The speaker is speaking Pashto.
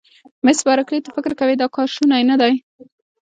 مس بارکلي: ته فکر کوې چې دا کار شونی نه دی؟